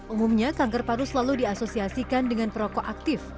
umumnya kanker paru selalu diasosiasikan dengan perokok aktif